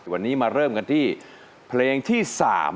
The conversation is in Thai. วันนี้มาเริ่มกันที่เพลงที่๓